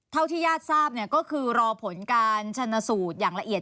เท่าที่ญาติทราบก็คือรอผลการชนสูตรอย่างละเอียด